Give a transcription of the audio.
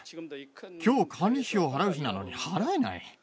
きょう、管理費を払う日なのに払えない。